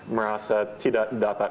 merasa tidak dapat